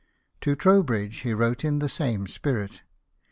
To Trowbridge he wrote in the same spirit.